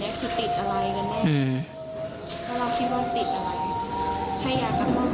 ลูกนั่นแหละที่เป็นคนผิดที่ทำแบบนี้